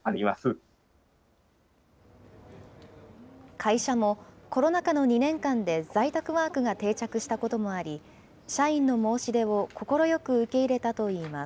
会社もコロナ禍の２年間で在宅ワークが定着したこともあり、社員の申し出を快く受け入れたといいます。